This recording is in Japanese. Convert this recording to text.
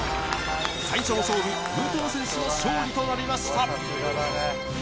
最初の勝負、武藤選手の勝利となりました。